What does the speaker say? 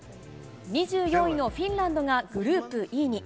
２４位のフィンランドがグループＥに。